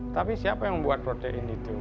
tapi siapa yang membuat protein itu